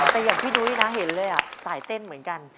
แต่อย่างพี่นุ้ยนะเห็นเลยสายเต้นเหมือนกัน